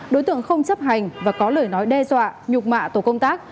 đối tượng không chấp hành và có lời nói đe dọa nhục mạ tổ công tác